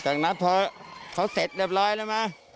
จากนั้นพอเขาเสร็จเรียบร้อยแล้วมั้ย